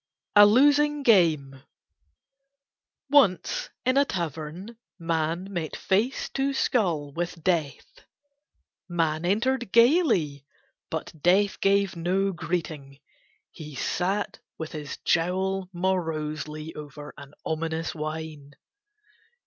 A LOSING GAME Once in a tavern Man met face to skull with Death. Man entered gaily but Death gave no greeting, he sat with his jowl morosely over an ominous wine.